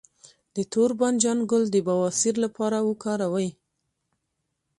د تور بانجان ګل د بواسیر لپاره وکاروئ